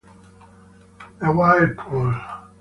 The Whirlpool